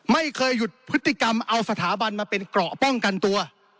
ไม่เคยหยุดพฤติกรรมเอาสถาบันมาเป็นเกราะป้องกันตัว